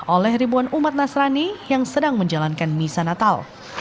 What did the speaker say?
oleh ribuan umat nasrani yang sedang menjalankan misa natal